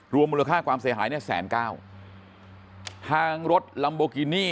รวมมูลค่ากว่าขาความเสียหายเนี่ยแสนเก้าทางรถลำโบคินี่